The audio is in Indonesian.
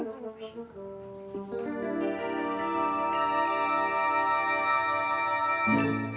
tidak ada yang bisa dihukum